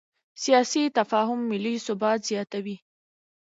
سیاسي تفاهم ملي ثبات زیاتوي